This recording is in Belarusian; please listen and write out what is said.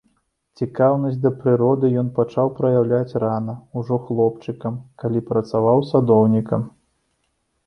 Цікаўнасць да прыроды ён пачаў праяўляць рана, ужо хлопчыкам, калі працаваў садоўнікам.